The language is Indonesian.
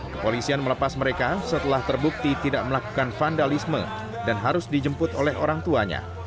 kepolisian melepas mereka setelah terbukti tidak melakukan vandalisme dan harus dijemput oleh orang tuanya